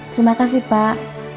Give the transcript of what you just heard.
terima kasih pak